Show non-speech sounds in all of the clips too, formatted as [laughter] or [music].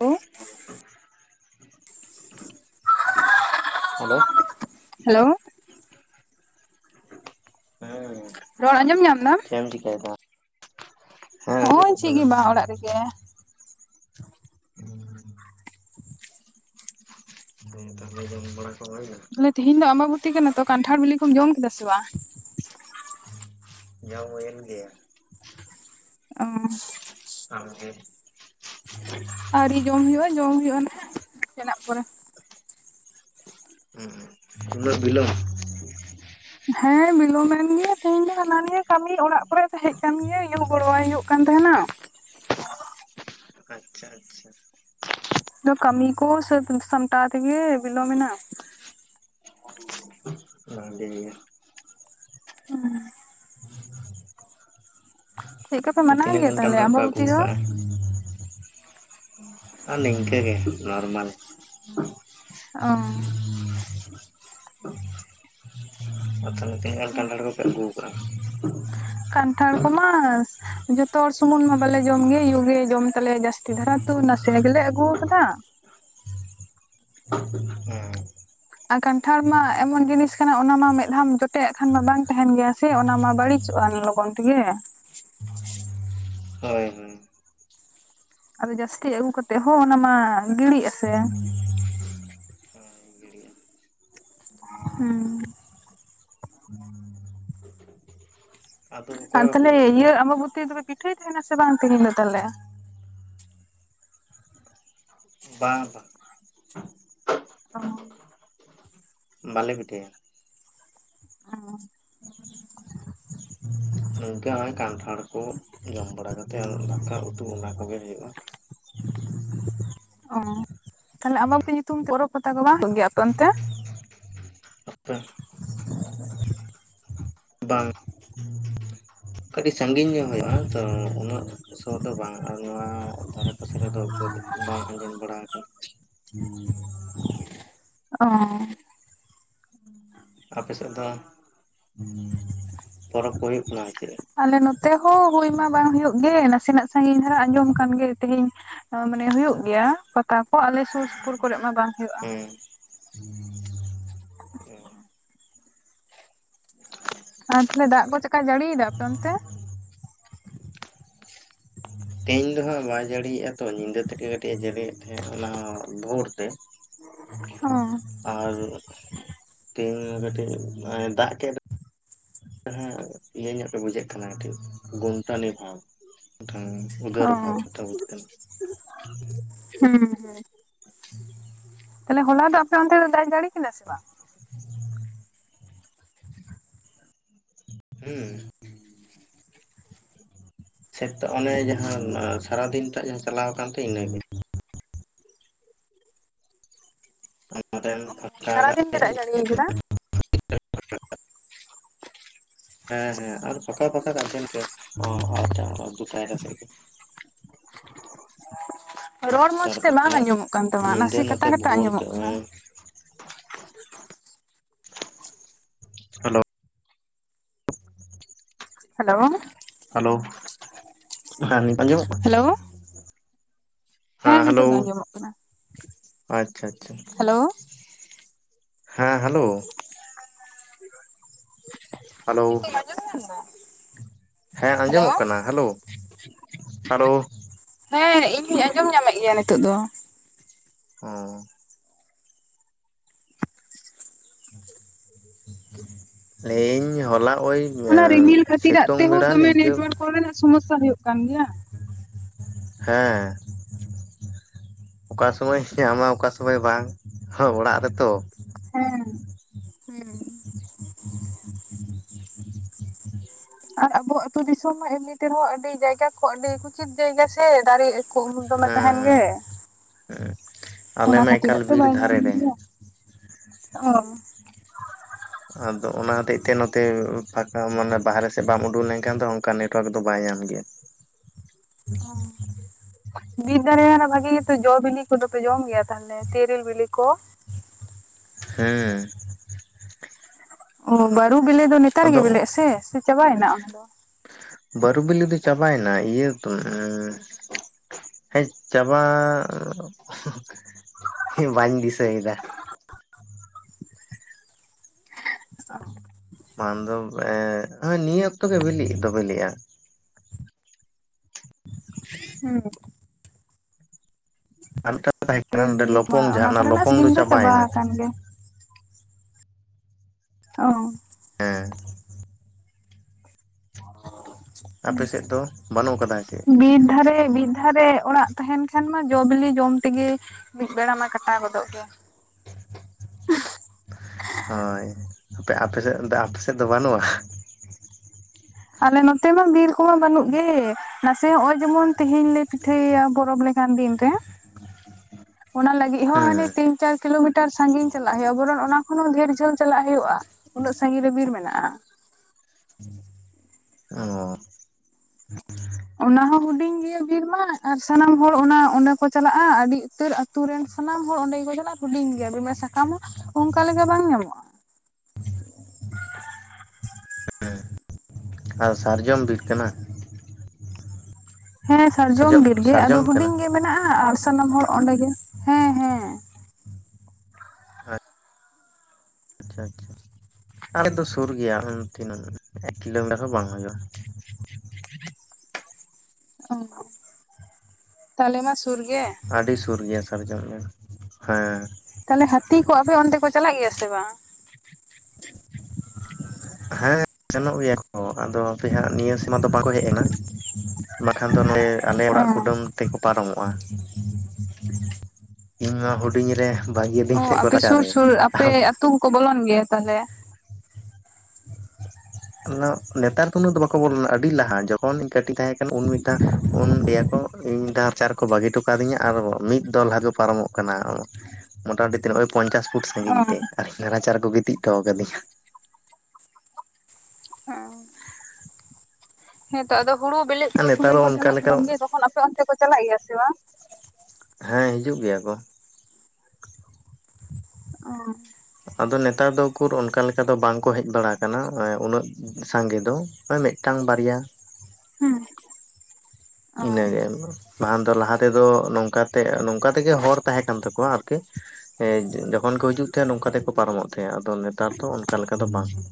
ᱦᱩᱸ [inaudible] hello hello ᱦᱮᱸᱻ ᱨᱚᱲ ᱟᱸᱡᱚᱢ ᱧᱟᱢ ᱫᱟᱢ? ᱪᱮ ᱮᱢ ᱪᱤᱠᱟᱹᱭ ᱫᱟ? ᱦᱚᱸᱜᱼᱚᱭ ᱪᱮᱫ ᱜᱮ ᱵᱟᱝ ᱚᱲᱟᱜ ᱨᱮᱜᱮ ᱾ ᱦᱮᱸ ᱛᱟᱦᱚᱞᱮ ᱡᱚᱢ ᱵᱟᱲᱟ ᱠᱚ ᱦᱳᱭᱱᱟ? ᱛᱟᱦᱞᱮ ᱛᱮᱦᱮᱧ ᱫᱚ ᱟᱢᱵᱟᱵᱚᱛᱤ ᱠᱟᱱᱟ ᱛᱚ ᱠᱟᱱᱴᱷᱟᱲ ᱵᱤᱞᱤ ᱠᱚᱢ ᱡᱚᱢ ᱠᱮᱫᱟ ᱥᱮ ᱵᱟᱝ? ᱡᱚᱢ ᱦᱩᱭᱮᱱ ᱜᱮᱭᱟ᱾ ᱚᱻ ᱟᱢ ᱜᱮ? ᱟᱭᱨᱤ ᱡᱚᱢ ᱦᱩᱭᱩᱜᱼᱟ ᱡᱚᱢ ᱦᱩᱭᱩᱜᱼᱟ ᱱᱟᱦᱟᱜ ᱱᱟᱥᱮᱱᱟᱜ ᱯᱚᱨᱮ ᱾ ᱦᱩᱸ ᱦᱩᱸ ᱩᱱᱟᱹᱜ ᱵᱤᱞᱚᱢ? ᱦᱮᱸ ᱵᱤᱞᱚᱢᱮᱱ ᱜᱮᱭᱟ ᱛᱮᱦᱮᱧ ᱫᱚ ᱦᱟᱱᱟ ᱱᱤᱭᱟᱹ ᱠᱟᱹᱢᱤ ᱚᱲᱟᱜ ᱠᱚᱨᱮ ᱛᱟᱦᱮᱸ ᱠᱟᱱ ᱜᱮ ᱟᱭᱩ ᱜᱚᱲᱚᱣᱟᱭ ᱦᱩᱭᱩᱜ ᱠᱟᱱ ᱛᱟᱦᱮᱸᱱᱟ᱾ ᱟᱪᱪᱷᱟ ᱟᱪᱪᱷᱟ ᱟᱫᱚ ᱠᱟᱹᱢᱤ ᱠᱚ ᱥᱟᱹᱛ ᱥᱚᱢᱴᱟᱣ ᱛᱮᱜᱮ ᱵᱤᱞᱚᱢᱮᱱᱟ᱾ [unintelligible] ᱜᱮᱭᱟ ᱦᱩᱸ ᱪᱮᱫ ᱞᱮᱠᱟ ᱯᱮ ᱢᱟᱱᱟᱣ ᱛᱤᱱᱟᱹᱜ ᱜᱮᱭᱟ ᱜᱟᱱ ᱛᱟᱦᱞᱮ ᱠᱟᱱᱴᱷᱟᱲ ᱯᱮ ᱟᱢᱵᱟᱵᱚᱛᱤ ᱟᱹᱜᱩᱣ ᱫᱚ? ᱠᱟᱜᱼᱟ? ᱟᱨ ᱱᱤᱝᱠᱟᱹ ᱜᱮ ᱱᱚᱨᱢᱟᱞ ᱚᱸᱻ ᱟᱨ ᱛᱟᱦᱚᱞᱮ ᱛᱤᱱᱟᱹᱜ ᱠᱟᱱᱴᱷᱟᱲ ᱠᱚᱯᱮ ᱟᱹᱜᱩᱣ ᱠᱟᱜᱼᱟ? ᱠᱟᱱᱴᱷᱟᱲ ᱠᱚᱢᱟ ᱡᱚᱛᱚ ᱦᱚᱲ ᱥᱩᱢᱩᱱ ᱢᱟ ᱵᱟᱞᱮ ᱡᱚᱢ ᱜᱮ ᱭᱩ ᱜᱮ ᱡᱚᱢ ᱛᱟᱞᱮᱭᱟ ᱡᱟᱹᱥᱛᱤ ᱫᱷᱟᱨᱟ ᱾ ᱛᱩ ᱱᱟᱥᱮ ᱜᱮᱞᱮ ᱟᱹᱜᱩᱣ ᱠᱟᱫᱟ᱾ ᱦᱮᱸ ᱟᱨ ᱠᱟᱱᱴᱷᱟᱲ ᱢᱟ ᱮᱢᱚᱱ ᱡᱤᱱᱤᱥ ᱠᱟᱱᱟ ᱚᱱᱟᱢᱟ ᱢᱮᱫᱷᱟᱣ ᱡᱚᱴᱮᱫᱼᱟᱜ ᱠᱷᱟᱱ ᱢᱟ ᱵᱟᱝ ᱛᱟᱦᱮᱱ ᱜᱮᱭᱟ ᱥᱮ ᱚᱱᱟᱢᱟ ᱵᱟᱹᱲᱤᱡ ᱟ ᱞᱚᱜᱚᱱ ᱛᱮᱜᱮ ᱾ ᱦᱳᱭ ᱦᱳᱭ ᱟᱫᱚ ᱡᱟᱹᱥᱛᱤ ᱟᱹᱜᱩ ᱠᱟᱛᱮᱜ ᱦᱚᱸ ᱚᱱᱟ ᱢᱟ ᱜᱤᱲᱤᱜ ᱟᱥᱮ ᱾ ᱜᱤᱲᱤᱜᱼᱟ᱾ ᱦᱩᱸ ᱟᱫᱚ ᱚᱠᱚᱭ ᱟᱨ ᱵᱟᱯᱮ ᱛᱟᱦᱚᱞᱮ ᱡᱚᱢ ᱤᱭᱟᱹ ᱜᱮᱭᱟ? ᱟᱢᱵᱚᱵᱚᱛᱤ ᱨᱮ ᱫᱚ ᱯᱮ ᱯᱤᱴᱷᱟᱹᱭ ᱛᱟᱦᱮᱱᱟ ᱥᱮ ᱵᱟᱝ ᱛᱮᱦᱮᱧ ᱫᱚ ᱛᱟᱦᱚᱞᱮ? ᱵᱟᱝ ᱵᱟᱝ ᱚ ᱵᱟᱞᱮ ᱯᱤᱴᱷᱟᱹᱭᱟ ᱾ ᱟᱨ᱾ ᱱᱤᱝᱠᱟᱹ ᱦᱚᱸᱜᱼᱚᱭ ᱠᱟᱱᱴᱷᱟᱲ ᱠᱚ ᱡᱚᱢ ᱵᱟᱲᱟ ᱠᱟᱛᱮᱫ ᱫᱟᱠᱟ ᱩᱛᱩ ᱚᱱᱟ ᱠᱚᱜᱮ ᱦᱩᱭᱩᱜᱼᱟ ᱾ ᱚ ᱛᱟᱦᱚᱞᱮ ᱟᱢᱵᱚᱵᱚᱛᱤ ᱧᱩᱛᱩᱢ ᱯᱚᱨᱚᱵᱽ ᱯᱟᱛᱟ ᱠᱚ ᱵᱟᱝ ᱦᱩᱭᱩᱜ ᱜᱮᱭᱟ ᱟᱯᱮ ᱮᱚᱱᱛᱮ? ᱦ [inaudible] ᱵᱟᱝ ᱠᱟᱹᱴᱤᱡ ᱥᱟᱺᱜᱤᱧ ᱧᱚᱜ ᱦᱩᱭᱩᱜᱼᱟ ᱛᱚ ᱩᱱᱟᱹᱜ ᱥᱳᱨ ᱫᱚ ᱵᱟᱝ ᱟᱨ ᱱᱚᱣᱟ ᱫᱷᱟᱨᱮ ᱯᱟᱥᱮ ᱨᱮᱫᱚ ᱵᱟᱝ ᱟᱸᱡᱚᱢ ᱵᱟᱲᱟ ᱟᱠᱟᱱᱟ ᱾ ᱦᱮᱸ᱾ ᱚ ᱟᱨ ᱟᱯᱮ ᱥᱮᱫ ᱫᱚ ᱯᱚᱨᱚᱵᱽ ᱠᱚ ᱦᱩᱭᱩᱜ ᱠᱟᱱᱟ ᱥᱮ ᱪᱮᱫ? ᱟᱞᱮ ᱱᱚᱛᱮ ᱦᱚᱸ ᱦᱩᱭ ᱢᱟ ᱵᱟᱝ ᱦᱩᱭᱩᱜ ᱜᱮ ᱱᱟᱥᱮᱱᱟᱜ ᱥᱟᱺᱜᱤᱧ ᱫᱷᱟᱨᱟ ᱟᱸᱡᱚᱢ ᱠᱟᱱᱜ ᱛᱮᱦᱮᱧ ᱢᱟᱱᱮ ᱦᱩᱭᱩᱜ ᱜᱮᱭᱟ ᱯᱟᱛᱟ ᱠᱚ ᱟᱞᱮ ᱥᱩᱨ ᱥᱩᱯᱩᱨ ᱠᱚᱨᱮᱜ ᱢᱟ ᱵᱟᱝ ᱦᱩᱭᱩᱜᱼᱟ ᱾ ᱦᱮᱸ ᱦᱮᱸ, ᱟᱨ ᱛᱟᱦᱚᱞᱮ ᱫᱟᱜ ᱠᱚ ᱪᱮᱜ ᱠᱟ ᱡᱟᱹᱲᱤᱭᱮᱫᱟ ᱟᱯᱮ ᱚᱱᱛᱮ? ᱦᱟᱜ ᱵᱟᱭ ᱡᱟᱹᱲᱤᱭᱮᱜᱼᱟ ᱛᱚ ᱧᱤᱫᱟᱹ ᱛᱮᱜᱮ ᱠᱟᱹᱴᱤᱡ ᱮ ᱡᱟᱹᱲᱤᱭᱮᱫ ᱛᱟᱦᱮᱸᱜ ᱚᱱᱟ ᱦᱚ ᱵᱷᱳᱨ ᱛᱮ ᱚ ᱾ ᱟᱨ ᱛᱮᱦᱮᱧ ᱠᱟᱹᱴᱤᱡ ᱫᱟᱜ ᱠᱮᱫ ᱦᱮᱸ ᱤᱭᱟᱹ ᱧᱚᱜ ᱯᱮ ᱵᱩᱡᱷᱟᱹᱜ ᱠᱟᱱᱟ ᱜᱩᱱᱴᱟᱱᱤ ᱵᱷᱟᱵ ᱢᱤᱫᱴᱟᱝ ᱚ ᱩᱫᱟᱹᱨ ᱵᱷᱟᱵ ᱪᱟᱵ ᱠᱟᱛᱮᱱ ᱾ ᱦᱩᱸ ᱦᱩᱸ ᱛᱟᱦᱚᱞᱮ ᱦᱚᱞᱟ ᱫᱚ ᱟᱯᱮ ᱚᱱᱛᱮ ᱫᱚ ᱫᱟᱜ ᱮ ᱡᱟᱹᱲᱤ ᱠᱤᱱᱟ ᱥᱮ ᱵᱟᱝ? ᱦᱩᱸ ᱥᱮ ᱚᱱᱮ ᱡᱟᱦᱟᱸ ᱥᱟᱨᱟ ᱫᱤᱱᱴᱟᱜ ᱡᱟᱦᱟᱸ ᱪᱟᱞᱟᱣ ᱠᱟᱱᱛᱮ ᱤᱱᱟᱹᱜᱮ ᱾ ᱟᱢ ᱨᱮᱱ ᱥᱟᱨᱟᱫᱤᱱ ᱜᱮ ᱫᱟᱜ ᱮ ᱡᱟᱹᱲᱤ ᱠᱟᱫᱟ? ᱦᱮᱸ ᱦᱮᱸ ᱟᱨ ᱯᱷᱟᱠᱟ ᱯᱷᱟᱠᱟ ᱠᱟᱱ ᱛᱟᱦᱮᱱ ᱟ ᱫᱩᱴᱟ ᱟᱲᱟᱭᱴᱟ ᱥᱮᱫ ᱜᱮ ᱾ ᱨᱚᱲ ᱢᱚᱸᱡᱽᱛᱮ ᱵᱟᱝ ᱛᱟᱨᱯᱚᱨᱮ ᱟᱸᱡᱚᱢᱚᱜ ᱠᱟᱱ ᱛᱟᱢᱟ ᱧᱤᱫᱟᱹ ᱱᱟᱥᱮ ᱠᱟᱴᱟ ᱱᱚᱛᱮ ᱠᱟᱴᱟ ᱵᱷᱳᱨ ᱛᱮ ᱟᱸᱡᱚᱢᱚᱜ ᱠᱟᱱᱟ ᱾ ᱦᱮᱞᱳ ᱦᱮᱞᱳ ᱦᱮᱞᱳ ᱦᱮ ᱱᱤᱛ ᱟᱸᱡᱚᱢᱚᱜ ᱠᱟᱱᱟ? ᱦᱮᱞᱳ ᱦᱮᱸ ᱦᱮᱞᱳ ᱱᱤᱛᱚᱜ ᱫᱚ ᱟᱸᱡᱚᱢᱚᱜ ᱠᱟᱱᱟ ᱟᱪᱪᱷᱟ ᱟᱪᱪᱷᱟ ᱦᱮᱞᱳ ᱾ ᱦᱮᱸ ᱦᱮᱞᱳ ᱦᱮᱸ ᱦᱮᱞᱳ ᱱᱤᱛᱚᱜ ᱟᱸᱡᱚᱢ ᱧᱟᱢ ᱫᱟ ᱦᱮᱸ ᱦᱮᱞᱳ ᱟᱸᱡᱚᱢᱚᱜ ᱠᱟᱱᱟ ᱦᱮᱞᱳ ᱦᱮᱞᱳ ᱦᱮᱸ ᱤᱧ ᱦᱩᱧ ᱟᱸᱡᱚᱢ ᱧᱟᱢᱮᱜ ᱜᱮᱭᱟ ᱱᱤᱛᱚᱜ ᱫᱚ ᱾ ᱚᱸ ᱞᱟᱹᱭᱮᱜ ᱤᱧ ᱦᱚᱞᱟ ᱳᱭ ᱚᱱᱟ ᱨᱤᱢᱤᱞ ᱠᱷᱟᱹᱛᱤᱨᱟᱜ ᱥᱤᱛᱩᱝ ᱛᱮᱦᱚᱸ ᱵᱮᱲᱟ ᱫᱚᱢᱮ ᱱᱤᱝᱠᱟᱹ ᱱᱮᱴᱣᱟᱨᱠ ᱠᱚᱨᱮᱱᱟᱜ ᱥᱚᱢᱚᱥᱥᱟ ᱦᱩᱭᱩᱜ ᱠᱟᱱ ᱜᱮᱭᱟ ᱾ ᱦᱮᱸ ᱚᱠᱟ ᱥᱚᱢᱚᱭ ᱥᱮ ᱧᱟᱢᱟ ᱚᱠᱟ ᱥᱚᱢᱚᱭ ᱵᱟᱝ ᱦᱚ ᱚᱲᱟᱜ ᱨᱮᱛᱚ ᱾ ᱦᱮᱸ ᱦᱩᱸ [unintelligible] [inaudible] ᱟᱨ ᱟᱵᱚᱟᱜ ᱟᱹᱛᱩ ᱫᱤᱥᱚᱢ ᱢᱟ ᱮᱢᱱᱤ ᱛᱮ ᱨᱮᱦᱚᱸ ᱟᱹᱰᱤ ᱡᱟᱭᱜᱟ ᱠᱚ ᱟᱹᱰᱤ ᱠᱩᱪᱤᱛ ᱡᱟᱭᱜᱟ ᱥᱮ ᱫᱟᱨᱮ ᱠᱚ ᱫᱚᱢᱮ ᱦᱮᱸ ᱛᱟᱦᱮᱱ ᱦᱮᱸ ᱜᱮ ᱟᱞᱮ ᱚᱱᱟ ᱢᱟ ᱮᱠᱟᱞ ᱠᱷᱟᱹᱛᱤᱨᱟᱜ ᱛᱮ ᱵᱤᱨ ᱵᱟᱭ ᱧᱟᱢ ᱫᱷᱟᱨᱮ ᱨᱮ ᱜᱮᱭᱟ ᱾ ᱚ ᱟᱫᱚ ᱚᱱᱟ ᱦᱚᱛᱮᱡ ᱛᱮ ᱱᱚᱛᱮ ᱯᱷᱟᱠᱟ ᱢᱟᱱᱮ ᱵᱟᱦᱟᱨᱮ ᱥᱮᱫ ᱵᱟᱢ ᱩᱰᱩᱜ ᱞᱮᱱᱠᱷᱟᱱ ᱫᱚ ᱚᱝᱠᱟ ᱱᱮᱴᱣᱟᱨᱠ ᱫᱚ ᱵᱟᱭ ᱧᱟᱢ ᱜᱮᱭᱟ [unintelligible] ᱚ ᱵᱤᱨ ᱫᱟᱨᱮᱭᱟᱱᱟ ᱵᱷᱟᱜᱤ ᱜᱮᱛᱚ ᱡᱚ ᱵᱤᱞᱤ ᱠᱚᱫᱚᱯᱮ ᱡᱚᱢ ᱜᱮᱭᱟ ᱛᱟᱦᱚᱞᱮ ᱛᱮᱨᱮᱞ ᱵᱤᱞᱤ ᱠᱚ ᱦᱮᱸ [unintelligible] ᱚ ᱵᱟᱹᱨᱩ ᱵᱤᱞᱤ ᱫᱚ ᱱᱮᱛᱟᱨ ᱜᱮ ᱟᱫᱚ ᱵᱤᱞᱤᱜ ᱟᱥᱮ ᱥᱮ ᱪᱟᱵᱟᱭᱱᱟ ᱚᱱᱟ ᱫᱚ ᱵᱟᱹᱨᱩ ᱵᱤᱞᱤ ᱫᱚ ᱪᱟᱵᱟᱭᱮᱱᱟ ᱤᱭᱟᱹ ᱛᱩ ᱦᱮᱸ ᱪᱟᱵᱟ ᱵᱟᱹᱧ ᱫᱤᱥᱟᱹᱭᱮᱫᱟ ᱵᱟᱝ ᱫᱚ ᱮ ᱱᱤᱭᱟᱹ ᱚᱠᱛᱚ ᱜᱮ ᱵᱤᱞᱤᱜ ᱫᱚ ᱵᱤᱞᱤᱜ-ᱟ ᱦᱩᱸ ᱟᱨ ᱢᱤᱫᱴᱟᱝ ᱫᱚ ᱛᱟᱦᱮᱸ ᱠᱟᱱᱟ ᱛᱮᱨᱮᱞ ᱱᱚᱰᱮ ᱵᱤᱞᱤ ᱞᱚᱯᱚᱝ ᱢᱟ ᱡᱟᱦᱟᱸ ᱚᱱᱟ ᱠᱚᱨᱮᱱᱟᱜ ᱞᱚᱯᱚᱝ ᱫᱚ ᱥᱤᱡᱤᱱ ᱪᱟᱵᱟᱭ ᱪᱟᱵᱟ ᱮᱱᱟ᱾ ᱟᱠᱟᱱ ᱜᱮ ᱚ ᱦᱮᱸ ᱟᱯᱮ ᱥᱮᱫ ᱫᱚ ᱵᱟᱹᱱᱩᱜ ᱟᱠᱟᱫᱟ ᱥᱮ ᱪᱮᱫ ᱵᱤᱨ ᱫᱷᱟᱨᱮ ᱵᱤᱨ ᱡᱟᱦᱟ ᱨᱮ ᱚᱲᱟᱜ ᱛᱟᱦᱮᱱ ᱠᱷᱟᱱ ᱢᱟ ᱡᱚ ᱵᱤᱞᱤ ᱡᱚᱢ ᱛᱮᱜᱮ ᱢᱤᱫ ᱵᱮᱲᱟ ᱢᱟ ᱠᱟᱴᱟᱣ ᱜᱚᱫᱚᱜ ᱜᱮᱭᱟ᱾ ᱦᱳᱭ ᱟᱯᱮ ᱟᱯᱮ ᱥᱮᱫ ᱫᱚ ᱟᱯᱮ ᱥᱮᱫ ᱫᱚ ᱵᱟᱹᱱᱩᱜ-ᱟ᱾ ᱟᱞᱮ ᱱᱚᱛᱮ ᱢᱟ ᱵᱤᱨ ᱠᱚᱦᱚ ᱵᱟᱹᱱᱩᱜ ᱜᱮ ᱱᱟᱥᱮ ᱱᱚᱭ-ᱚᱭ ᱡᱮᱢᱚᱱ ᱛᱮᱦᱮᱧ ᱞᱮ ᱯᱤᱴᱷᱟᱹ ᱮᱭᱟ ᱵᱚᱨᱚᱯᱷ ᱞᱮ ᱠᱟᱱ ᱫᱤᱱ ᱨᱮ ᱚᱱᱟ ᱞᱟᱹᱜᱤᱫ ᱦᱚᱸ ᱦᱟᱱᱮ ᱦᱮᱸ ᱛᱤᱧ ᱪᱟᱨ ᱠᱤᱞᱳᱢᱤᱴᱟᱨ ᱥᱟᱹᱜᱤᱧ ᱪᱟᱞᱟᱜ ᱦᱩᱭᱩᱜ-ᱟ ᱵᱚᱨᱚᱱ ᱚᱱᱟ ᱠᱷᱚᱱ ᱦᱚᱸ ᱰᱷᱮᱨ ᱡᱷᱟᱹᱞ ᱪᱟᱞᱟᱜ ᱦᱩᱭᱩᱜ-ᱟ᱾ ᱩᱱᱟᱹᱜ ᱥᱟᱹᱜᱤᱧ ᱨᱮ ᱵᱤᱨ ᱢᱮᱱᱟᱜ-ᱟ᱾ ᱚ ᱚᱱᱟ ᱦᱚᱸ ᱦᱩᱰᱤᱧ ᱜᱮᱭᱟ ᱵᱤᱨ ᱢᱟ ᱟᱨ ᱥᱟᱱᱟᱢ ᱦᱚᱲ ᱚᱱᱟ ᱚᱸᱰᱮ ᱠᱚ ᱪᱟᱞᱟᱜ-ᱟ ᱟᱹᱰᱤ ᱩᱛᱟᱹᱨ ᱟᱹᱛᱩ ᱨᱮᱱ ᱥᱟᱱᱟᱢ ᱦᱚᱲ ᱚᱸᱰᱮ ᱜᱮᱠᱚ ᱪᱟᱞᱟᱜ ᱟ ᱦᱩᱰᱤᱧ ᱜᱮᱭᱟ ᱵᱤᱨ ᱥᱟᱠᱟᱢ ᱦᱚᱸ ᱚᱝᱠᱟ ᱞᱮᱠᱟ ᱵᱟᱝ ᱧᱟᱢᱚᱜ-ᱟ᱾ ᱟᱨ ᱥᱟᱨᱡᱚᱢ ᱵᱤᱨ ᱠᱟᱱᱟ᱾ ᱦᱮᱸ ᱥᱟᱨᱡᱚᱢ ᱵᱤᱨ ᱜᱮ ᱟᱫᱚ ᱥᱟᱨᱡᱚᱢ ᱠᱟᱱᱟ ᱦᱩᱰᱤᱧ ᱜᱮ ᱢᱮᱱᱟᱜ-ᱟ ᱟᱨ ᱥᱟᱱᱟᱢ ᱦᱚᱲ ᱚᱸᱰᱮ ᱜᱮ ᱦᱮᱸ ᱦᱮᱸ ᱟᱪᱪᱷᱟ ᱟᱪᱪᱷᱟ ᱟᱞᱮ ᱫᱚ ᱥᱩᱨ ᱜᱮᱭᱟ ᱚᱱ-ᱛᱤᱱᱟᱹᱜ ᱮᱠ ᱠᱤᱞᱳᱢᱤᱴᱟᱨ ᱦᱚᱸ ᱵᱟᱝ ᱦᱩᱭᱩᱜ-ᱟ᱾ ᱚ ᱛᱟᱞᱮ ᱢᱟ ᱥᱩᱨ ᱜᱮ᱾ ᱟᱹᱰᱤ ᱥᱩᱨ ᱜᱮᱭᱟ ᱥᱟᱨᱡᱚᱢ ᱵᱤᱨ ᱦᱮᱸ᱾ ᱛᱟᱦᱞᱮ ᱦᱟᱛᱤ ᱠᱚ ᱟᱯᱮ ᱚᱱᱛᱮ ᱠᱚ ᱪᱟᱞᱟᱜ ᱜᱮᱭᱟ ᱥᱮ ᱵᱟᱝ᱾ ᱦᱮᱸ ᱥᱮᱱᱚᱜ ᱜᱮᱭᱟ ᱠᱚ ᱟᱫᱚ ᱦᱟᱯᱮ ᱦᱟᱜ ᱱᱤᱭᱟᱹ ᱥᱤᱢᱟᱱ ᱫᱚ ᱵᱟᱠᱚ ᱦᱮᱡ ᱠᱟᱱᱟ ᱵᱟᱠᱷᱟᱱ ᱫᱚ ᱱᱚᱸᱰᱮ ᱟᱞᱮ ᱚᱲᱟᱜ ᱠᱩᱰᱟᱹᱢ ᱛᱮᱠᱚ ᱯᱟᱨᱚᱢᱚᱜ-ᱟ ᱤᱧ ᱢᱟ ᱦᱩᱰᱤᱧ ᱨᱮ ᱚ ᱵᱟᱹᱜᱤᱭᱟᱹᱫᱤᱧ ᱛᱮ ᱠᱚ ᱟᱯᱮ ᱥᱩᱨ ᱨᱟᱪᱟᱨᱮ ᱥᱩᱨ ᱟᱯᱮ ᱟᱛᱳ ᱦᱚᱠᱚ ᱵᱚᱞᱚᱱ ᱜᱮᱭᱟ ᱛᱟᱦᱚᱞᱮ᱾ ᱱᱮᱛᱟᱨ ᱫᱚ ᱩᱱᱟᱹᱜ ᱫᱚ ᱵᱟᱠᱚ ᱵᱚᱞᱚᱱᱟ ᱟᱹᱰᱤ ᱞᱟᱦᱟ ᱡᱚᱠᱷᱚᱱ ᱠᱟᱹᱴᱤᱡ ᱛᱟᱦᱮᱸᱠᱟᱱᱟ ᱩᱱ ᱢᱤᱫᱴᱟᱝ ᱩᱱ ᱞᱟᱹᱭᱟᱠᱚ ᱤᱧ ᱰᱟᱨᱪᱟᱨ ᱠᱚ ᱵᱟᱹᱜᱤ ᱦᱚᱴᱚ ᱠᱟᱫᱤᱧᱟ ᱟᱨ ᱢᱤᱫ ᱫᱚᱞ ᱦᱟᱹᱛᱤ ᱠᱚ ᱯᱟᱨᱚᱢᱚᱜ ᱠᱟᱱᱟ᱾ ᱢᱚᱴᱟᱢᱩᱴᱤ ᱛᱤᱜᱟᱜ ᱦᱩᱭᱩᱜᱼᱟ ᱯᱚᱧᱪᱟᱥ ᱯᱷᱩᱴ ᱚ ᱥᱟᱺᱜᱤᱧ ᱛᱮ ᱟᱨ ᱤᱧ ᱨᱟᱪᱟ ᱨᱮᱠᱚ ᱜᱤᱛᱤᱡ ᱦᱚᱴᱚ ᱟᱠᱟᱫᱤ ᱧᱟ᱾ ᱦᱩᱸ ᱦᱮᱸᱛᱚ ᱟᱫᱚ ᱦᱩᱲᱩ ᱵᱮᱞᱮᱫ ᱟᱨ ᱠᱚ ᱱᱮᱛᱟᱨ ᱥᱚᱢᱚᱭ ᱫᱚ ᱠᱚ ᱚᱱᱠᱟ ᱪᱟᱞᱟᱜ ᱞᱮᱠᱟ ᱠᱟᱱ ᱜᱮ ᱛᱚᱠᱷᱚᱱ ᱟᱯᱮ ᱚᱱᱛᱮ ᱠᱚ ᱪᱟᱞᱟᱜ ᱜᱮᱭᱟ ᱥᱮ ᱵᱟᱝ᱾ ᱦᱮᱸ ᱦᱤᱡᱩᱜ ᱜᱮᱭᱟ ᱠᱚ᱾ ᱚ ᱟᱫᱚ ᱱᱮᱛᱟᱨ ᱫᱚ ᱩᱠᱩᱨ ᱚᱱᱠᱟ ᱞᱮᱠᱟ ᱫᱚ ᱵᱟᱝᱠᱚ ᱦᱮᱡ ᱵᱟᱲᱟ ᱟᱠᱟᱱᱟ ᱩᱱᱟᱹᱜ ᱥᱟᱸᱜᱮ ᱫᱚ ᱢᱤᱫᱴᱟᱝ ᱵᱟᱨᱭᱟ ᱦᱮᱸ ᱤᱱᱟᱹᱜᱮ ᱢᱟᱱ ᱫᱚ ᱞᱟᱦᱟ ᱛᱮᱫᱚ ᱱᱚᱝᱠᱟ ᱱᱚᱝᱠᱟ ᱛᱮᱜᱮ ᱦᱚᱨ ᱛᱟᱦᱮᱸ ᱠᱟᱱ ᱛᱟᱠᱚᱣᱟ ᱟᱨᱠᱤ ᱦᱮᱸ ᱡᱚᱠᱷᱚᱱ ᱠᱚ ᱦᱤᱡᱩᱜ ᱛᱟᱦᱮᱸᱫ ᱱᱚᱝᱠᱟ ᱛᱮᱠᱚ ᱯᱟᱨᱚᱢᱚᱜ ᱛᱟᱦᱮᱸᱜ ᱟᱫᱚ ᱱᱮᱛᱟᱨ ᱫᱚ ᱚᱱᱠᱟ ᱞᱮᱠᱟ ᱫᱚ ᱵᱟᱝ᱾ ᱦᱩᱸ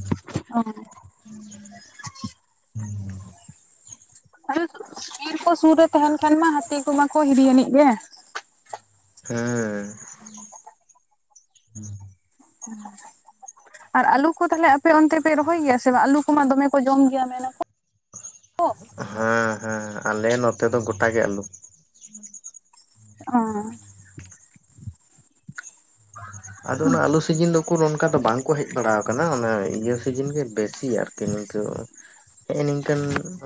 [unintelligible] ᱦᱩᱸ ᱦᱤ ᱛᱚ ᱥᱩᱨ ᱨᱮ ᱛᱟᱦᱮᱱ ᱠᱷᱟᱱ ᱢᱟ ᱦᱟᱹᱛᱤ ᱠᱚᱢᱟᱠᱚ ᱦᱤᱨᱤ ᱟᱹᱱᱤᱡ ᱜᱮ᱾ ᱦᱮᱸ ᱟᱨ ᱟᱞᱩ ᱠᱚ ᱛᱟᱦᱚᱞᱮ ᱟᱯᱮ ᱚᱱᱛᱮ ᱯᱮ ᱨᱚᱦᱚᱭ ᱜᱮᱭᱟ ᱥᱮ ᱵᱟᱝ ᱟᱞᱩ ᱠᱚᱢᱟ ᱫᱚᱢᱮ ᱠᱚ ᱡᱚᱢ ᱜᱮᱭᱟ ᱢᱮᱱᱟᱠᱚ ᱦᱮᱸ ᱦᱮᱸ ᱟᱞᱮ ᱱᱚᱛᱮ ᱫᱚ ᱜᱚᱴᱟ ᱜᱮ ᱟᱹᱞᱩ ᱚᱸ ᱟᱫᱚ ᱚᱱᱟ ᱟᱹᱞᱩ ᱥᱤᱡᱤᱱ ᱫᱚ ᱩᱠᱩᱨ ᱱᱚᱱᱠᱟ ᱫᱚ ᱵᱟᱝᱠᱚ ᱦᱮᱡᱽ ᱵᱟᱲᱟ ᱟᱠᱟᱱᱟ ᱚᱱᱟ ᱤᱭᱟᱹ ᱥᱤᱡᱤᱱ ᱜᱮ ᱵᱮᱥᱤ ᱟᱨᱠᱤ ᱠᱤ ᱱᱤᱝᱠᱟᱹ ᱦᱮᱜᱸ ᱱᱤᱝᱠᱟᱹᱱ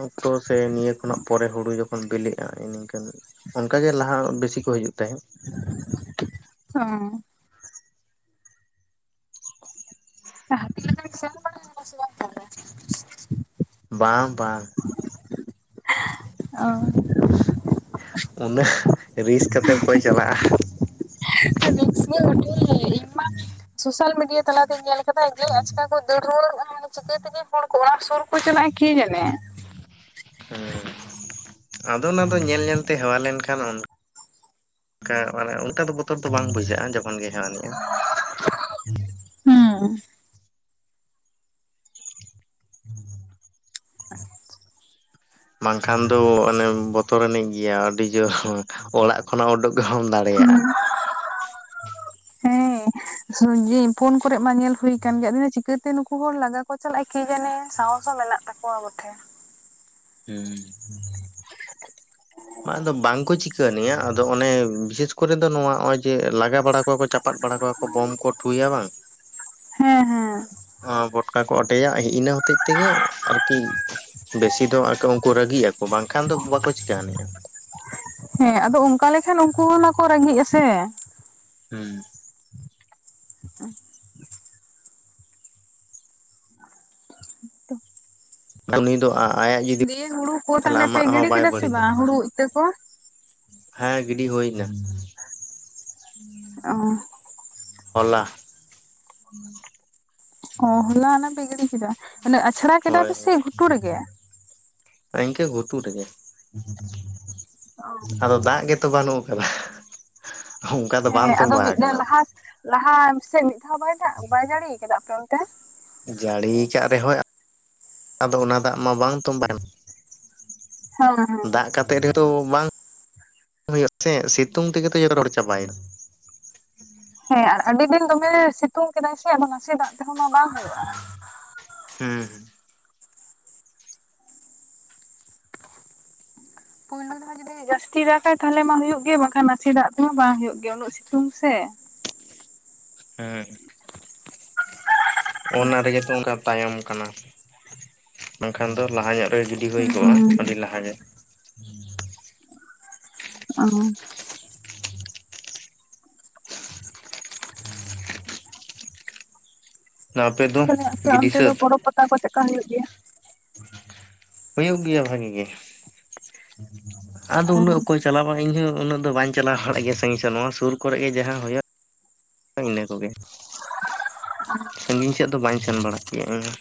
ᱚᱠᱛᱚ ᱥᱮ ᱱᱤᱭᱟᱹ ᱠᱷᱚᱱᱟᱜ ᱯᱚᱨᱮ ᱦᱩᱲᱩ ᱡᱚᱠᱷᱚᱱ ᱵᱤᱞᱤᱜᱼᱟ ᱱᱤᱝᱠᱟᱹᱱ ᱚᱱᱠᱟ ᱜᱮ ᱞᱟᱦᱟ ᱵᱤᱥᱤ ᱠᱚ ᱦᱤᱡᱩᱜ ᱛᱟᱦᱮᱸᱫ ᱦᱚᱸ ᱦᱟᱹᱛᱤ ᱞᱟᱜᱟ ᱥᱮᱱ ᱵᱟᱲᱟ ᱠᱟᱱᱟ ᱥᱮ ᱵᱟᱝ ᱛᱟᱦᱞᱮ ᱵᱟᱝ ᱵᱟᱝ ᱚ ᱩᱱᱟᱹᱜ ᱨᱤᱥ ᱠᱟᱛᱮ ᱚᱠᱚᱭ ᱪᱟᱞᱟᱜᱼᱟ ᱨᱤᱥ ᱜᱮ ᱵᱚᱴᱷᱮ ᱤᱧ ᱢᱟ ᱥᱳᱥᱟᱞ ᱢᱤᱰᱤᱭᱟ ᱛᱟᱞᱟᱛᱤᱧ ᱧᱮᱞ ᱠᱟᱫᱟ ᱡᱮ ᱟᱪᱠᱟ ᱠᱚ ᱨᱩᱣᱟᱹᱲ ᱢᱟᱱᱮ ᱪᱤᱠᱟᱹᱛᱮ ᱜᱮ ᱦᱚᱲ ᱠᱚ ᱚᱲᱟᱜ ᱥᱩᱨ ᱠᱚ ᱪᱟᱞᱟᱜᱼᱟ ᱠᱤ ᱡᱟᱹᱱᱮ ᱦᱮᱸ ᱟᱫᱚ ᱚᱱᱟ ᱫᱚ ᱧᱮᱞ ᱧᱮᱞᱛᱮ ᱦᱮᱣᱟ ᱞᱮᱱᱠᱷᱟᱱ ᱚᱱᱠᱟ ᱢᱟᱱᱮ ᱚᱱᱠᱟ ᱵᱚᱛᱚᱨ ᱫᱚ ᱵᱟᱝ ᱵᱩᱡᱷᱟᱹᱜᱼᱟ ᱡᱚᱠᱷᱚᱱ ᱜᱮ ᱦᱮᱣᱟ ᱟᱱᱤᱡᱼᱟ ᱦᱩᱸ [unintelligible] ᱵᱟᱝᱠᱷᱟᱱ ᱫᱚ ᱚᱱᱮ ᱵᱚᱛᱚᱨᱱᱤᱡ ᱜᱮᱭᱟ ᱟᱹᱰᱤ ᱡᱳᱨ ᱚᱲᱟᱜ ᱠᱷᱚᱱᱟᱜ ᱩᱰᱩᱠ ᱦᱚᱢ ᱦᱩᱸ ᱫᱟᱲᱮᱭᱟᱜᱼᱟ ᱦᱮᱸ ᱯᱷᱳᱱ ᱠᱚᱨᱮ ᱢᱟ ᱧᱮᱞ ᱦᱩᱭ ᱟᱠᱟᱱ ᱜᱮᱭᱟ ᱤᱱᱟ ᱪᱤᱠᱟᱹᱛᱮ ᱱᱩᱠᱩ ᱦᱚᱲ ᱞᱟᱜᱟ ᱠᱚ ᱪᱟᱞᱟᱜᱼᱟ ᱠᱤ ᱡᱟᱹᱱᱤ ᱥᱟᱦᱚᱥ ᱦᱚᱸ ᱢᱮᱱᱟᱜ ᱠᱚ ᱛᱟᱠᱚᱣᱟ ᱵᱚᱴᱷᱮ ᱢᱟ ᱟᱫᱚ ᱵᱟᱝᱠᱚ ᱪᱤᱠᱟᱹᱱᱤᱭᱟ ᱟᱫᱚ ᱚᱱᱮ ᱵᱤᱥᱮᱥ ᱠᱚᱨᱮ ᱫᱚ ᱱᱚᱣᱟ ᱱᱚᱜᱼᱚᱭ ᱡᱮ ᱞᱟᱜᱟ ᱵᱟᱲᱟ ᱚᱠᱚᱭ ᱠᱚ ᱪᱟᱯᱟᱫ ᱵᱟᱲᱟ ᱠᱚᱣᱟ ᱠᱚ ᱵᱳᱢ ᱠᱚ ᱴᱷᱩᱭᱟ ᱵᱟᱝ ᱦᱮᱸ ᱦᱮᱸ ᱵᱚᱴᱠᱟ ᱠᱚ ᱚᱰᱮᱡᱟ ᱤᱱᱟᱹ ᱦᱚᱛᱮᱡ ᱛᱮᱜᱮ ᱟᱨᱠᱤ ᱵᱮᱥᱤ ᱩᱱᱠᱩ ᱨᱟᱹᱜᱤᱜ ᱟᱠᱚ ᱵᱟᱝᱠᱷᱟᱱ ᱫᱚ ᱵᱟᱠᱚ ᱪᱤᱠᱟᱹ ᱟᱱᱤᱡᱼᱟ ᱦᱮᱸ ᱟᱫᱚ ᱚᱱᱠᱟ ᱞᱮᱠᱷᱟᱱ ᱩᱱᱠᱩ ᱚᱱᱟᱠᱚ ᱨᱸᱜᱤᱜ ᱟᱥᱮ ᱦᱩᱸ ᱩᱱᱤ ᱫᱚ ᱟᱭᱟᱜ ᱡᱩᱫᱤ ᱫᱤᱭᱮ ᱦᱩᱲᱩ ᱠᱚ ᱛᱟᱦᱚᱞᱮ ᱯᱮ ᱟᱢᱟᱜ ᱜᱤᱰᱤ ᱦᱚᱸ ᱵᱟᱭ ᱠᱮᱫᱟ ᱥᱮ ᱵᱟᱹᱲᱤᱡᱟ ᱵᱟᱝ ᱦᱩᱲᱩ ᱤᱛᱟᱹ ᱠᱚ ᱦᱮᱸ ᱜᱤᱰᱤ ᱦᱩᱭ ᱮᱱᱟ ᱚ ᱦᱚᱞᱟ [inaudible] ᱚ ᱦᱚᱞᱟ ᱚᱱᱟ ᱯᱮ ᱜᱤᱰᱤ ᱠᱮᱫᱟ ᱚᱱᱮ ᱟᱪᱷᱲᱟ ᱠᱮᱫᱟ ᱦᱳᱭ ᱯᱮᱥᱮ ᱜᱷᱩᱴᱩ ᱨᱮᱜᱮ ᱤᱱᱠᱟᱹ ᱜᱷᱩᱴᱩ ᱨᱮᱜᱮ ᱟᱫᱚ ᱫᱟᱜᱽ ᱜᱮᱛᱚ ᱵᱟᱹᱱᱩᱜ ᱟᱠᱟᱫᱟ ᱚᱱᱠᱟ ᱫᱚ ᱦᱮᱸ ᱵᱟᱝ ᱟᱫᱚ ᱛᱚᱸᱵᱟ ᱢᱤᱫ ᱫᱷᱟᱣ ᱟᱠᱟᱱᱟ ᱞᱟᱦᱟ ᱞᱟᱦᱟ ᱥᱮᱜ ᱢᱤᱫ ᱫᱷᱟᱣ ᱫᱟᱜᱽ ᱵᱟᱭ ᱡᱟᱹᱲᱤ ᱟᱠᱟᱫᱟ ᱟᱯᱮ ᱚᱱᱛᱮ ᱡᱟᱹᱲᱤ ᱠᱟᱜ ᱨᱮᱦᱚᱸᱭ ᱟᱫᱚ ᱚᱱᱟ ᱫᱟᱜᱽ ᱢᱟ ᱵᱟᱝ ᱛᱳᱵᱟᱭᱮᱱ ᱦᱮᱸ ᱦᱮᱸ ᱫᱟᱜᱽ ᱠᱟᱛ ᱚᱱᱛᱮ ᱨᱮᱫᱚ ᱵᱟᱝ [unintelligible] ᱦᱩᱭᱩᱜ ᱛᱮ ᱥᱤᱛᱩᱝ ᱛᱮᱜᱮ ᱛᱚ ᱡᱚᱛᱚ ᱨᱚᱲ ᱪᱟᱵᱟᱭᱟ ᱦᱮᱸ ᱟᱨ ᱟᱹᱰᱤ ᱫᱤᱱ ᱫᱚᱢᱮ ᱥᱤᱛᱩᱝ ᱠᱮᱫᱟᱭ ᱥᱮ ᱟᱫᱚ ᱱᱟᱥᱮ ᱫᱟᱜᱽ ᱛᱮᱦᱚᱸ ᱢᱟ ᱵᱟᱝ ᱦᱩᱭᱩᱜᱼᱟ᱾ ᱦᱩᱸ ᱦᱩ ᱯᱩᱭᱞᱳ ᱫᱷᱟᱣ ᱡᱩᱫᱤ ᱡᱟᱥᱛᱤ ᱫᱟᱜᱟᱭ ᱛᱟᱦᱚᱞᱮ ᱢᱟ ᱦᱩᱭᱩᱜ ᱜᱮ ᱵᱟᱝᱠᱷᱟᱱ ᱱᱟᱥᱮ ᱫᱟᱜᱽ ᱛᱮᱸᱦᱚ ᱵᱟᱝ ᱦᱩᱭᱩᱜ ᱜᱮᱭᱟ ᱩᱱᱟᱹᱜ ᱥᱤᱛᱩᱝ ᱥᱮ ᱦᱩᱸ ᱚᱱᱟ ᱨᱮᱜᱮ ᱛᱚ ᱚᱱᱠᱟ ᱛᱟᱭᱚᱢ ᱠᱟᱱᱟ ᱵᱟᱝᱠᱷᱟᱱ ᱫᱚ ᱞᱟᱦᱟ ᱧᱚᱜ ᱨᱮᱜᱮ ᱡᱩᱫ ᱟᱹᱰᱤ ᱦᱩᱭ ᱠᱚᱜᱼᱟ ᱦᱩᱸ ᱟᱹᱰᱤ ᱞᱟᱦᱟ ᱜᱮ ᱚ ᱟᱯᱮ ᱫᱚ ᱛᱟᱦᱚᱞᱮ ᱟᱯᱮ ᱜᱤᱰᱤ ᱚᱱᱛᱮ ᱫᱚ ᱥᱟᱹᱛ ᱯᱚᱲᱚᱵᱽ ᱯᱟᱛᱟ ᱠᱚ ᱪᱮᱠᱟ ᱦᱩᱭᱩᱜ ᱜᱮᱭᱟ? ᱦᱩᱭᱩᱜ ᱜᱮᱭᱟ ᱵᱷᱟᱜᱤ ᱜᱮ ᱟᱫᱚ ᱩᱱᱟᱹᱜ ᱚᱠᱚᱭ ᱪᱟᱞᱟᱣᱼᱟ ᱤᱧᱦᱚᱸ ᱩᱱᱟᱹᱜ ᱫᱚ ᱵᱟᱧ ᱪᱟᱞᱟᱣ ᱵᱟᱲᱟᱜ ᱜᱮᱭᱟ ᱥᱟᱹᱜᱤᱧ ᱥᱮᱱ ᱱᱚᱣᱟ ᱥᱩᱨ ᱠᱚᱨᱮ ᱜᱮ ᱡᱟᱦᱟ ᱦᱩᱭᱩᱜᱼᱟ ᱤᱱᱟᱹ ᱠᱚᱜᱮ, ᱥᱟᱹᱜᱤᱧ ᱥᱮᱫ ᱫᱚ ᱵᱟᱧ ᱥᱮᱱ ᱵᱟᱲᱟ ᱠᱮᱭᱟ ᱤᱧᱦᱚᱸ᱾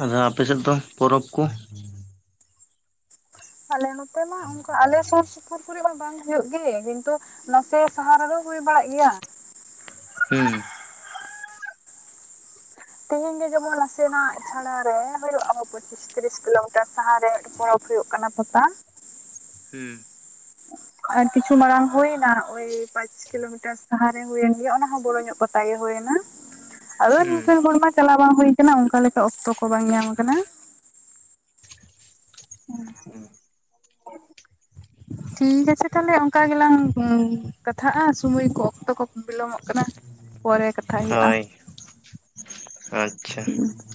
ᱟᱫᱚ ᱟᱯᱮ ᱥᱮᱫ ᱫᱚ ᱯᱚᱨᱚᱵᱽ ᱠᱚ? ᱟᱞᱮ ᱱᱚᱛᱮ ᱢᱟ ᱚᱱᱠᱟ ᱟᱞᱮ ᱥᱩᱨ ᱥᱩᱯᱩᱨ ᱠᱚᱨᱮ ᱢᱟ ᱵᱟᱝ ᱦᱩᱭᱩᱜ ᱜᱮ, ᱠᱤᱱᱛᱩ ᱱᱟᱥᱮ ᱥᱟᱦᱟ ᱨᱮᱫᱚ ᱦᱩᱭ ᱵᱟᱲᱟᱜ ᱜᱮᱭᱟ᱾ ᱦᱩᱸ᱾ ᱛᱤᱦᱤᱧ ᱜᱮ ᱡᱮᱢᱚᱱ ᱱᱟᱥᱮᱱᱟᱜ ᱪᱷᱟᱲᱟ ᱨᱮ ᱦᱩᱭᱩᱜᱼᱟ ᱯᱚᱸᱪᱤᱥ ᱛᱤᱨᱤᱥ ᱠᱤᱞᱳᱢᱤᱴᱟᱨ ᱥᱟᱦᱟᱨᱮ ᱢᱤᱴᱮᱱ ᱯᱚᱨᱚᱵ᱾ ᱦᱩᱭᱩᱜ ᱠᱟᱱᱟ ᱯᱟᱛᱟ᱾ ᱦᱩᱸ᱾ ᱦᱚᱸᱜᱼᱚᱭ ᱠᱤᱪᱷᱩ ᱢᱟᱲᱟᱝ ᱦᱩᱭᱱᱟ ᱳᱭ ᱯᱟᱸᱪ ᱠᱤᱞᱳᱢᱤᱴᱟᱨ ᱥᱟᱦᱟᱨᱮ ᱦᱩᱭᱮᱱ ᱜᱮᱭᱟ ᱚᱱᱟ ᱦᱚᱸ ᱵᱚᱲᱚ ᱧᱚᱜ ᱯᱚᱛᱟ ᱜᱮ ᱦᱩᱭᱱᱟ᱾ ᱟᱫᱚ ᱦᱩᱸ ᱱᱤᱝᱠᱟᱹᱱ ᱦᱚᱲᱢᱟ ᱪᱟᱞᱟᱣ ᱵᱟᱝ ᱦᱩᱭ ᱟᱠᱟᱱᱟ ᱚᱱᱠᱟ ᱞᱮᱠᱟ ᱚᱠᱛᱚ ᱠᱚ ᱵᱟᱝ ᱧᱟᱢ ᱟᱠᱟᱱᱟ᱾ ᱴᱷᱤᱠ ᱟᱪᱷᱮ ᱛᱟᱦᱞᱮ ᱚᱱᱠᱟ ᱜᱮᱞᱟᱝ ᱠᱟᱛᱷᱟᱜᱼᱟ, ᱥᱩᱢᱚᱭ ᱠᱚ ᱚᱠᱛᱚ ᱠᱚ ᱵᱤᱞᱚᱢᱚᱜ ᱠᱟᱱᱟ᱾ ᱯᱚᱨᱮ ᱠᱟᱛᱷᱟ ᱦᱩᱭᱩᱜᱼᱟ᱾ ᱦᱳᱭ ᱟᱪᱪᱷᱟ᱾ [inaudible]